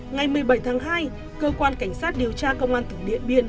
ngày một mươi bảy tháng hai cơ quan cảnh sát điều tra công an tỉnh điện biên